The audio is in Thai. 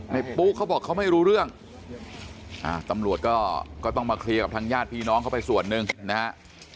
ปุ๊เขาบอกเขาไม่รู้เรื่องตำรวจก็ต้องมาเคลียร์กับทางญาติพี่น้องเขาไปส่วนหนึ่งนะฮะ